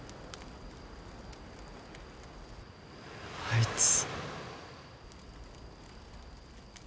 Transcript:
あいつ。